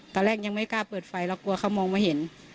ตอนแรกยังไม่กล้าเปิดไฟแล้วกลัวเขามองไม่เห็น